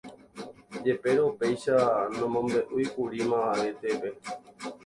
Jepérõ upéicha nomombe'úikuri mavavetépe.